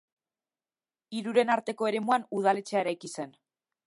Hiruren arteko eremuan udaletxea eraiki zen.